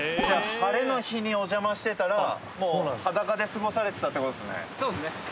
じゃあ晴れの日におじゃましてたらもう裸で過ごされてたってことですね。